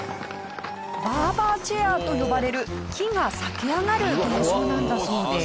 バーバーチェアと呼ばれる木が裂け上がる現象なんだそうです。